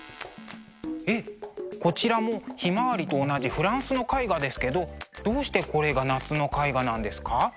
えっこちらも「ひまわり」と同じフランスの絵画ですけどどうしてこれが夏の絵画なんですか？